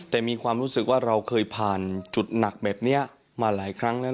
แต่มีความรู้สึกว่าเราเคยผ่านจุดหนักแบบนี้มาหลายครั้งแล้ว